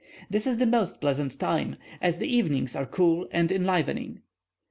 This is the most pleasant time, as the evenings are cool and enlivening.